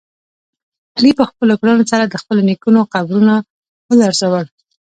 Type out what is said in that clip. علي په خپلو کړنو سره د خپلو نیکونو قبرونه ولړزول.